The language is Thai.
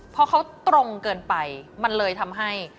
พอเขาตรงเกินไปมันเลยทำให้